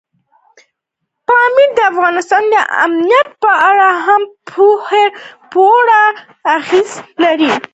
پامیر د افغانستان د امنیت په اړه هم پوره اغېز لري.